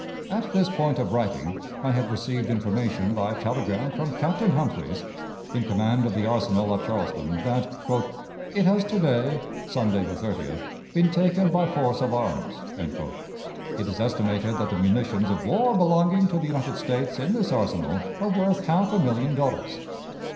At this point of writing I have received information, by telegram, from Captain Humphreys, in command of the arsenal at Charleston, that "it has to day (Sunday, the 30th) been taken by force of arms." It is estimated that the munitions of war belonging to the United States in this arsenal are worth half a million of dollars.